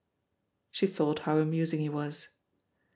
'' She thought how amusing he was.